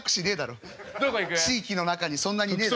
地域の中にそんなにねえ。